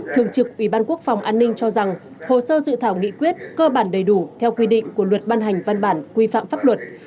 thường trực ủy ban quốc phòng an ninh cho rằng hồ sơ dự thảo nghị quyết cơ bản đầy đủ theo quy định của luật ban hành văn bản quy phạm pháp luật